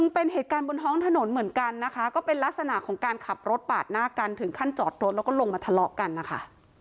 เป็นเหตุการณ์บนท้องถนนเหมือนกันนะคะก็เป็นลักษณะของการขับรถปาดหน้ากันถึงขั้นจอดรถแล้วก็ลงมาทะเลาะกันนะคะ